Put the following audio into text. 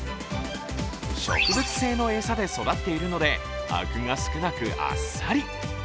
植物性の餌で育っているので、アクが少なくあっさり。